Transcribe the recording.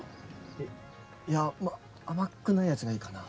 いいや甘くないやつがいいかな